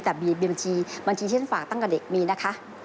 แต่มีบัญชีเช่นฝากตั้งกับเด็กมีนะคะ